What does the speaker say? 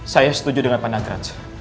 saya setuju dengan pak nagraj